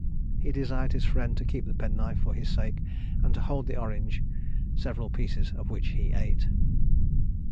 He desired his friend to keep the penknife for his sake, and to hold the orange, several pieces of which he ate.